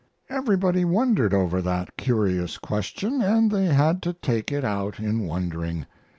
Everybody wondered over that curious question, and they had to take it out in wondering.